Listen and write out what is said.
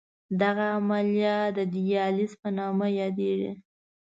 دغه عملیه د دیالیز په نامه یادېږي.